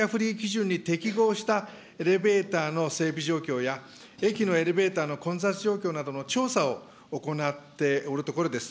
現在、現行のバリアフリー基準に適合したエレベーターの整備状況や、駅のエレベーターの混雑状況などの調査を行っておるところです。